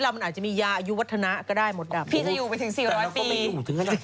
แต่เราก็ไม่ยุ่งถึงขนาดนั้นนะ